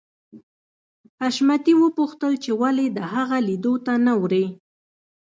حشمتي وپوښتل چې ولې د هغه لیدو ته نه ورې